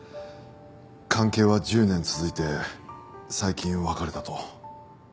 関係は１０年続いて最近別れたと。